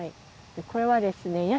これはですね